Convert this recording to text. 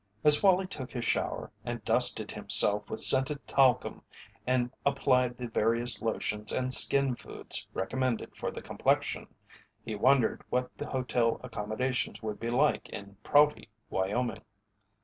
As Wallie took his shower and dusted himself with scented talcum and applied the various lotions and skin foods recommended for the complexion, he wondered what the hotel accommodations would be like in Prouty, Wyoming.